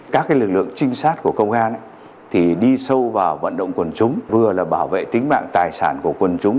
các lực lượng trinh sát của công an đi sâu vào vận động quần chúng vừa là bảo vệ tính mạng tài sản của quần chúng